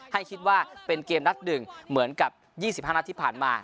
ให้คิดว่าเป็นเกมนัด๑เหมือนกับ๒๕นัดที่ผ่านมา